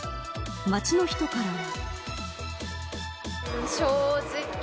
街の人からは。